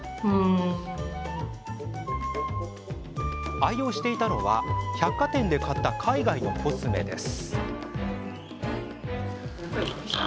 愛用していたのは百貨店で買った海外のコスメです。